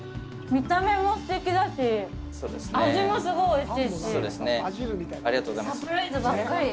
見た目もすてきだし味もすごいおいしいしサプライズばっかり！